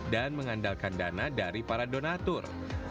dan mengandalkan dana dari para donatur